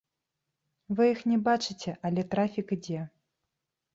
Вы іх не бачыце, але трафік ідзе.